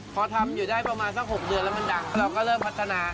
พอทำอยู่ได้ประมาณสัก๖เดือนแล้วมันดังเราก็เริ่มพัฒนา